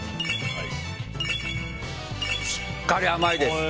しっかり甘いです。